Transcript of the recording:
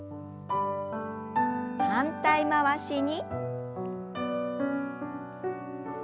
反対回しに。